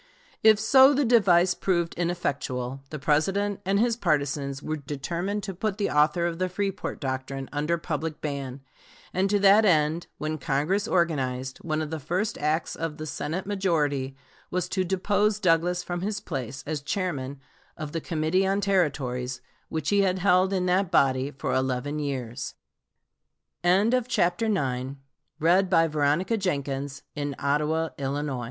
If so, the device proved ineffectual. The President and his partisans were determined to put the author of the "Freeport doctrine" under public ban, and to that end, when Congress organized, one of the first acts of the Senate majority was to depose Douglas from his place as chairman of the Committee on Territories, which he had held in that body